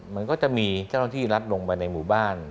มันก็จะมีเจ้าหน้าที่รัฐลงไปในหมู่บ้าน